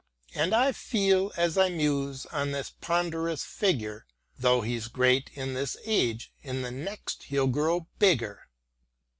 And I feel as I muse on his ponderous figure, Though he's great in this age, in the next he'll grow bigger.